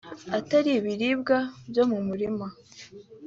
atari ibiribwa byo mu murima